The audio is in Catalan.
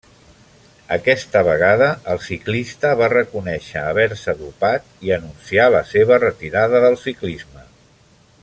Aquesta vegada el ciclista va reconèixer haver-se dopat i anuncià la seva retirada del ciclisme.